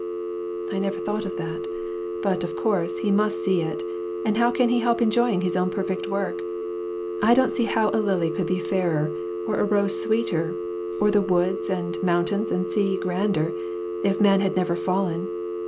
" I never thought of that ; but, of course, he must see it, and how can he help enjoying his own perfect work ? I don't see how a lily could be fairer, or a rose sweeter, or the woods and mountains and sea grander, if man had never fallen.